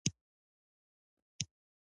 دوی ماڼۍ، ستر ځایونه او معبدونه جوړول.